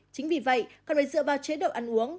chính vì vậy cần phải dựa vào chế độ ăn uống